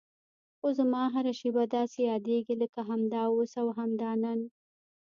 خو زما هره شېبه داسې یادېږي لکه همدا اوس او همدا نن.